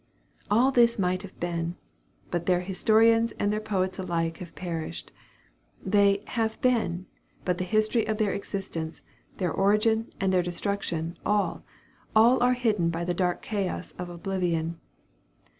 All this might have been. But their historians and their poets alike have perished. They have been; but the history of their existence, their origin, and their destruction, all, all are hidden by the dark chaos of oblivion.